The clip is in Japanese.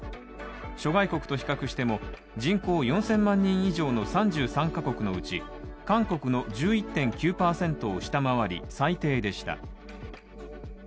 諸外国と比較しても、人口４０００万人以上の３３カ国のうち韓国の１１．９％を下回り、最低でした。